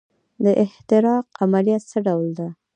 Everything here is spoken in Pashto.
د احتراق عملیه څه ډول ده.